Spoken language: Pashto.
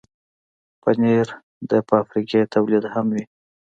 پنېر د فابریکې تولید هم وي.